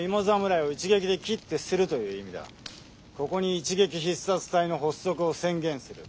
ここに一撃必殺隊の発足を宣言する！